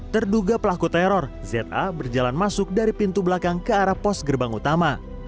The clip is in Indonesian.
terduga pelaku teror za berjalan masuk dari pintu belakang ke arah pos gerbang utama